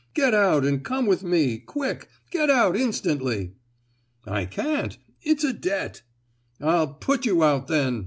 "Get out and come with me. Quick! get out instantly!" "I can't. It's a debt——" "I'll pull you out, then!"